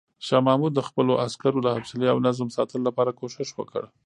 شاه محمود د خپلو عسکرو د حوصلې او نظم ساتلو لپاره کوښښ وکړ.